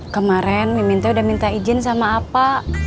kemaren mimin teh udah minta izin sama apa